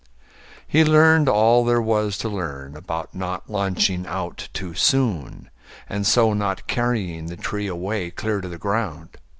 He learned all there was To learn about not launching out too soon And so not carrying the tree away Clear to the ground.